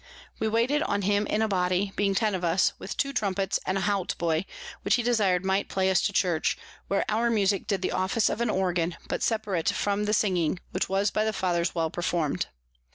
We waited on him in a Body, being ten of us, with two Trumpets and a Hautboy, which he desir'd might play us to Church, where our Musick did the Office of an Organ, but separate from the Singing, which was by the Fathers well perform'd.